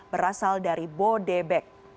berasal dari bodebek